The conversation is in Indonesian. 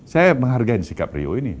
saya menghargai sikap rio ini